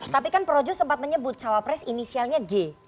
tapi kan projus sempat menyebut calon wapres inisialnya g